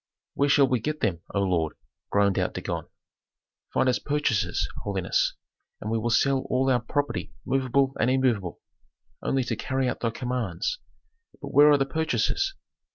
"Where shall we get them, O lord?" groaned out Dagon. "Find us purchasers, holiness, and we will sell all our property movable and immovable, only to carry out thy commands. But where are the purchasers?